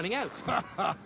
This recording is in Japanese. ハハハ！